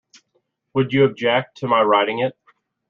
Would you object to my writing it?